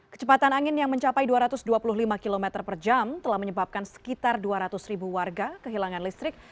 kecepatan angin yang mencapai dua ratus dua puluh lima km per jam telah menyebabkan sekitar dua ratus ribu warga kehilangan listrik